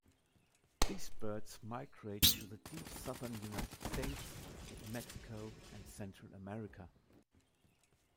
These birds migrate to the deep southern United States, Mexico, and Central America.